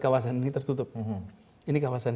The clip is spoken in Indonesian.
kawasan ini tertutup ini kawasan